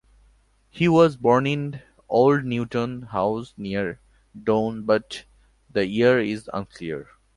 He was born in Old Newton House near Doune but the year is unclear.